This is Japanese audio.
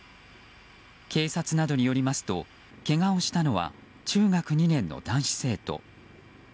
警察などによりますとけがをしたのは中学２年の男子生徒。